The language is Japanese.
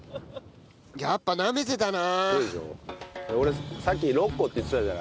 やっぱなめてたな。